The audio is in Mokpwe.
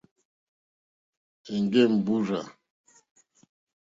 Èŋɡé mbúrzà.